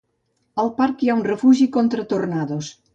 Al parc hi ha un refugi contra tornados.